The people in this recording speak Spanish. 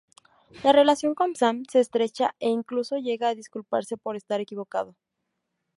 La relación con Sam se estrecha e incluso llega a disculparse por estar equivocado.